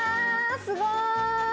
すごい！